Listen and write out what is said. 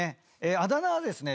あだ名はですね